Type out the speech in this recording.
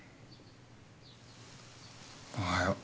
おはよう。